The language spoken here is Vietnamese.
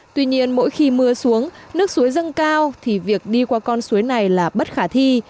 tuy nhiên mỗi khi mưa xuống nước suối dâng cao thì việc đi qua con suối này là bất khả thi